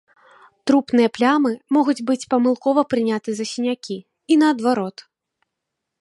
Трупныя плямы могуць быць памылкова прыняты за сінякі, і наадварот.